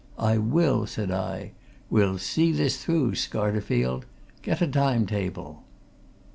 "I will!" said I. "We'll see this through, Scarterfield. Get a time table."